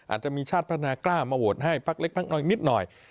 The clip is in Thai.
อาจจะมีชาติพนาคกล้ามาโหวตให้ปั๊กเล็กอีกนิดหน่อย